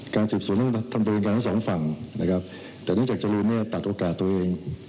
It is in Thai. การศึกษุนต้องทำตัวเองกันทั้งสองฝั่งแต่นอกจากจริงตัดโอกาสตัวเอง